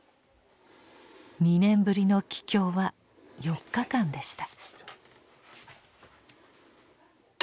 ２年ぶりの帰郷は４日間でした。